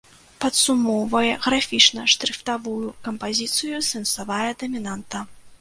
Падсумоўвае графічна-шрыфтавую кампазіцыю сэнсавая дамінанта.